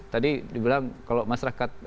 tadi dibilang kalau masyarakat